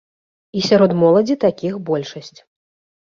І сярод моладзі такіх большасць.